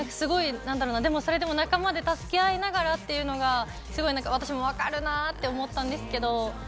それでも仲間で助け合いながらっていうのがすごい私も分かるな！って思ったんですけど。